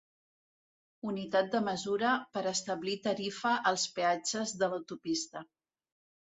Unitat de mesura per establir tarifa als peatges de l'autopista.